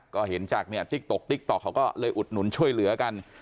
ก็เห็นจากเนี่ยติ๊กต๊อกเขาก็เลยอุดหนุนช่วยเหลือกัน